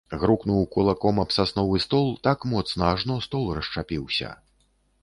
Грукнуў кулаком аб сасновы стол так моцна, ажно стол расшчапіўся.